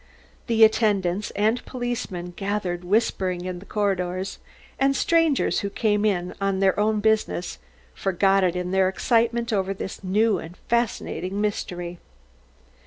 The attendants and the policeman gathered whispering in the corners, and strangers who came in on their own business forgot it in their excitement over this new and fascinating mystery.